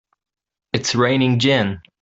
It's raining gin!